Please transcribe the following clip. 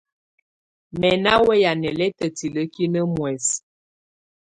Mɛ̀ nà wɛ̂ya nɛlɛtɛ̀ tilǝ́kinǝ́ muɛsǝ.